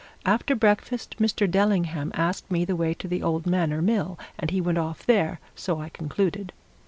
After breakfast, Mr. Dellingham asked me the way to the old Manor Mill, and he went off there, so I concluded.